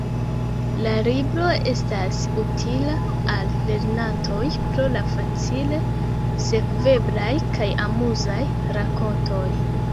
La libro estas utila al lernantoj pro la facile sekveblaj kaj amuzaj rakontoj.